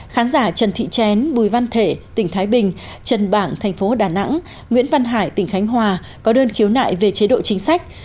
khán giả trần thị chén bùi văn thể tỉnh thái bình trần bảng thành phố đà nẵng nguyễn văn hải tỉnh khánh hòa có đơn khiếu nại về chế độ chính sách